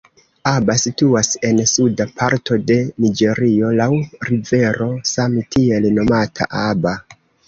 Aba situas en suda parto de Niĝerio laŭ rivero same tiel nomata Aba.